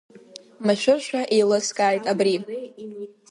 Машәыршәа еилыскааит абри.